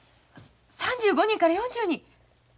３５人から４０人？